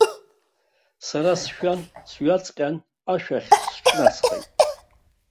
Сара сшәан, сҩаҵҟьан ашә ахь сҿынасхеит.